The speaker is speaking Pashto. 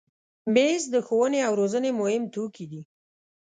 مېز د ښوونې او روزنې مهم توکي دي.